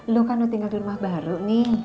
lo kan lo tinggal di rumah baru nih